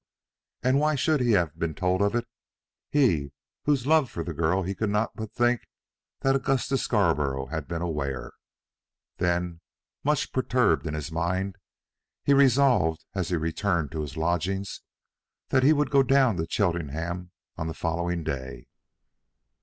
And why should he have been told of it? he, of whose love for the girl he could not but think that Augustus Scarborough had been aware. Then, much perturbed in his mind, he resolved, as he returned to his lodgings, that he would go down to Cheltenham on the following day.